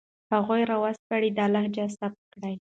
هغوی را وسپړئ، دا لهجې ثبت کړئ